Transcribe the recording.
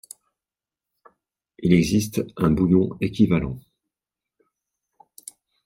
Il existe un bouillon équivalent.